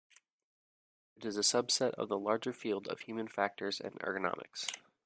It is a subset of the larger field of human factors and ergonomics.